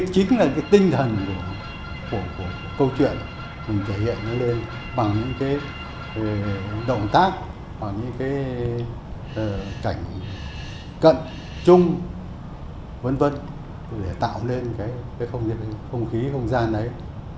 thế chính là cái tinh thần của câu chuyện mình thể hiện nó lên bằng những cái động tác hoặc những cái cảnh cận chung v v để tạo nên cái không gian không khí không gian đấy